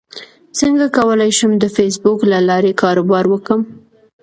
څنګه کولی شم د فېسبوک له لارې کاروبار وکړم